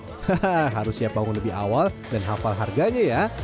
hahaha harus siap bangun lebih awal dan hafal harganya ya